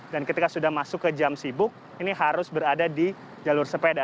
dan ketika sudah masuk ke jam sibuk ini harus berada di jalur sepeda